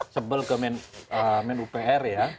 sebel ke menupr ya